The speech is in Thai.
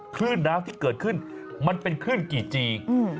คลื่นน้ำที่เกิดขึ้นมันเป็นคลื่นกี่จี